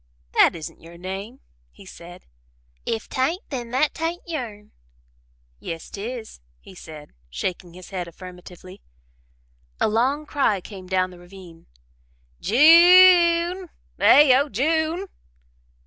"That isn't your name," he said. "If 'tain't, then that ain't your'n?" "Yes 'tis," he said, shaking his head affirmatively. A long cry came down the ravine: "J u n e! eh oh J u n e!"